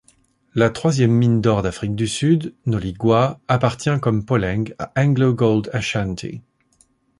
La troisième mine d'or d'Afrique du Sud, Noligwa, appartient comme Mpoleng à AngloGold Ashanti.